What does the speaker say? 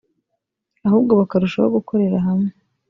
ahubwo bakarushaho gukorera hamwe